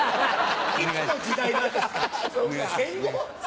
いつの時代なんですか戦後？